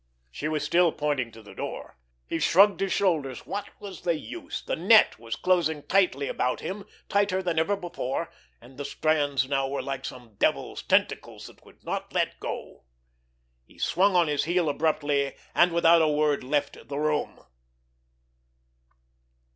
She was still pointing to the door. He shrugged his shoulders. What was the use! The net was closing tighter about him, tighter than ever before, and the strands now were like some devil's tentacles that would not let go. He swung on his heel abruptly, and without a word left the room.